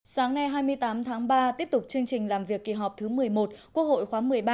sáng nay hai mươi tám tháng ba tiếp tục chương trình làm việc kỳ họp thứ một mươi một quốc hội khóa một mươi ba